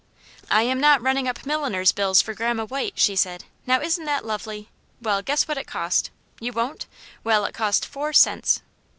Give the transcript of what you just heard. " I am not running up milliner's bills for grandma White," she said. " Now, isn*t that lovely ? Well, guess what it cost. You won*t ? Well, it cost four cents."